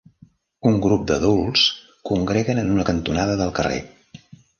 Un grup d'adults congreguen en una cantonada del carrer.